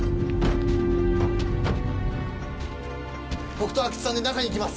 僕と阿久津さんで中行きます！